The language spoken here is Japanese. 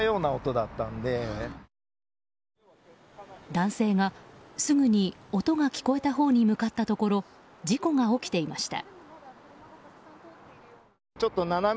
男性が、すぐに音が聞こえたほうに向かったところ事故が起きていました。